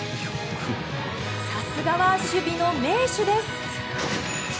さすがは守備の名手です。